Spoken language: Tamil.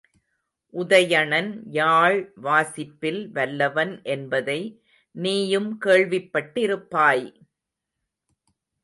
உதயணன் யாழ் வாசிப்பில் வல்லவன் என்பதை நீயும் கேள்விப் பட்டிருப்பாய்!